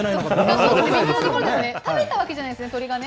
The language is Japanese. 食べたわけじゃないですね、鳥がね。